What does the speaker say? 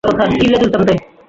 আমার ছেলের হৃদয় কোথায়?